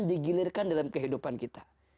digilirkan dalam kehidupan kita